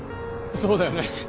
そそうだよね。